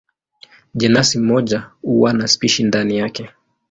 Jenasi moja huwa na spishi ndani yake.